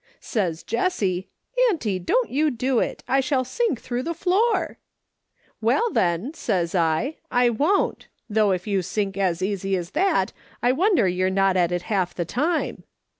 Says Jessie :' Auntie, don't you do it ; I shall sink through the floor.' ' Well, then,' says T, ' I won't ; though if you sink as easy as that I wonder you are not at it half the time.'